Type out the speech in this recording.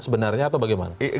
sebenarnya atau bagaimana